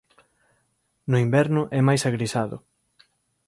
No inverno é máis agrisado.